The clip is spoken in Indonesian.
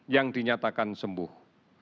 yang dinyatakan sembuh